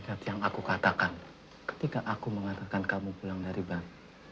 ini kat yang aku katakan ketika aku mengantarkan kamu pulang dari bar